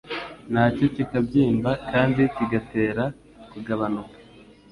nacyo kikabyimba kandi kigatera kugabanuka